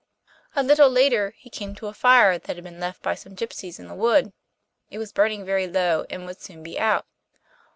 A little later he came to a fire that had been left by some gipsies in a wood. It was burning very low, and would soon be out.